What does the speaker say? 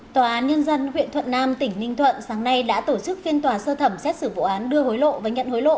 tòa án nhân dân huyện thuận nam tỉnh ninh thuận sáng nay đã tổ chức phiên tòa sơ thẩm xét xử vụ án đưa hối lộ và nhận hối lộ